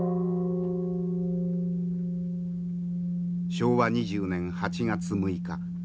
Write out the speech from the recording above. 昭和２０年８月６日。